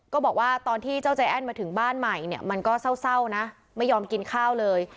ก็บอกว่าตอนที่เจ้าใจแอ้นมาถึงบ้านใหม่เนี่ยมันก็เศร้านะไม่ยอมกินข้าวเลย